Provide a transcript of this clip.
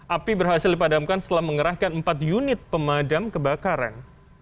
api berhasil dipadamkan setelah mengerahkan empat unit pemadam kebakaran